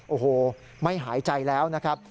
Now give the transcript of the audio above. โอ้โหไม่หายใจแล้วนะครับ